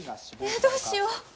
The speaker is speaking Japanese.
どうしよう。